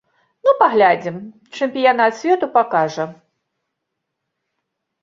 Ну, паглядзім, чэмпіянат свету пакажа.